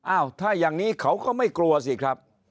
อ้าวถ้าอย่างนี้เขาก็ไม่กลัวสิครับ